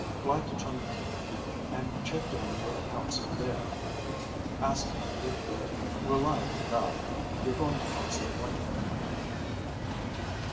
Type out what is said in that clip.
Fly to Chungking and check in with the consul there. Ask him to give you a reliable guide. You're going to Korse Lenken.